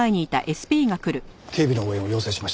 警備の応援を要請しました。